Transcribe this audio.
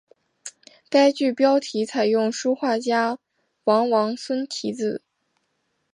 该剧标题采用书画家王王孙题字。